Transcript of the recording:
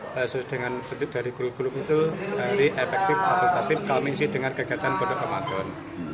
sesuai dengan bentuk dari guru guru itu dari efektif akustatif kami isi dengan kegiatan pondok ramadan